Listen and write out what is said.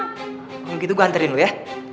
kalau gitu gue hantarin lo ya